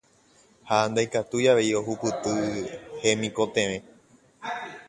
ha ndaikatúi avei ohupyty hemikotevẽ.